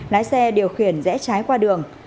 lái xe điều khiển rẽ trái qua đường